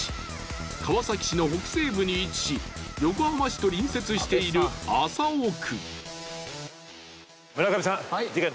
川崎市の北西部に位置し横浜市と隣接している麻生区。